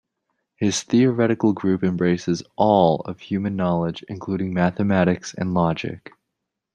His theoretical group embraces "all" of human knowledge, including mathematics and logic.